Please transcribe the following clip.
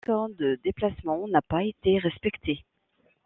Le raccord de déplacement n’a pas été respecté.